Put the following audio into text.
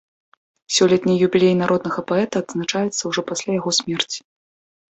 Сёлетні юбілей народнага паэта адзначаецца ўжо пасля яго смерці.